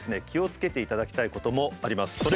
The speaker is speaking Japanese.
気をつけていただきたいこともあります。